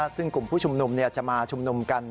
ซึ่งกลุ่มผู้ชุมนุมจะมาชุมนุมกัน